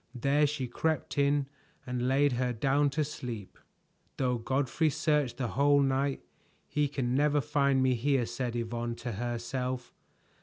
There she crept in and laid her down to sleep. "Though Godfrey search the whole night, he can never find me here," said Yvonne to herself.